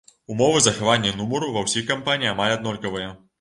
Умовы захавання нумару ва ўсіх кампаній амаль аднолькавыя.